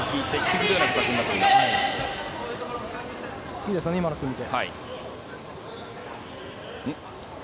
いいですね、今の組み手。